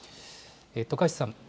徳橋さん。